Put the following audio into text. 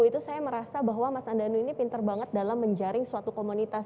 itu saya merasa bahwa mas andanu ini pinter banget dalam menjaring suatu komunitas